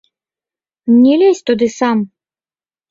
Не лезь туды сам!